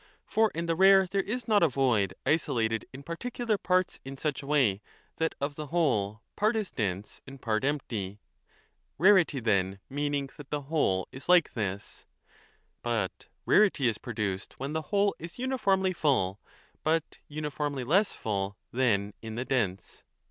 For 5 in the rare there is not a void isolated in particular parts in such a way that of the whole part is dense and part empty 4 (rarity then meaning that the whole is like this) ; but rarity is produced when the whole is uniformly full, but uniformly less full than in the dense.